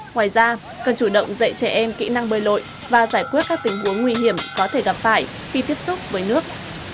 ngoài ra cần chủ động dạy trẻ em kỹ năng bơi lội và giải quyết các tình huống nguy hiểm có thể gặp phải khi tiếp xúc với nước